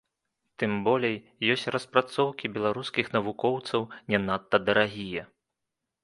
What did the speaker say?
Тым болей, ёсць распрацоўкі беларускіх навукоўцаў, не надта дарагія.